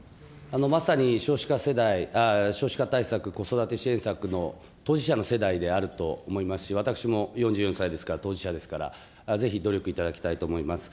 まさに少子化世代、少子化対策、子育て支援策の当事者の世代であると思いますし、私も４４歳ですから、当事者ですから、ぜひ努力いただきたいと思います。